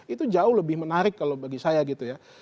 itu jauh lebih menarik kalau bagi saya gitu ya